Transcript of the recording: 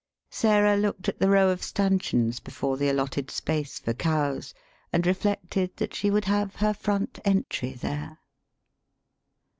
Sarah looked at the row of stanchions before the al lotted space for cows, and reflected that she would have her front entry there.